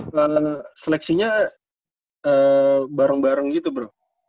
seleksinya bareng bareng gitu bro